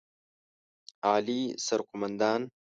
اعلى سرقومندان